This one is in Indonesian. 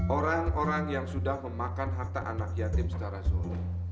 orang orang yang sudah memakan harta anak yatim sejarah z vowels